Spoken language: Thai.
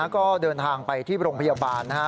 ก็เดินทางไปที่โรงพยาบาลนะฮะ